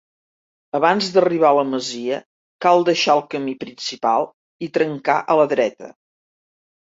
Abans d'arribar a la masia, cal deixar el camí principal i trencar a la dreta.